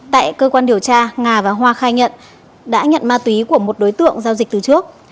tại cơ quan điều tra nga và hoa khai nhận đã nhận ma túy của một đối tượng giao dịch từ trước